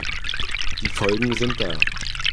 Die Folgen sind da.